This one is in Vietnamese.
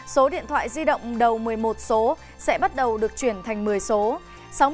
số điện thoại di động đầu một mươi một số sẽ bắt đầu được chuyển thành một mươi số